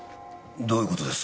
どういう事です？